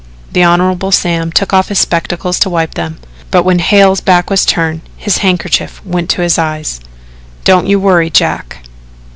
The Hon. Sam took off his spectacles to wipe them, but when Hale's back was turned, his handkerchief went to his eyes: "Don't you worry, Jack."